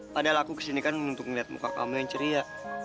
padahal aku kesini kan untuk melihat muka kamu yang ceria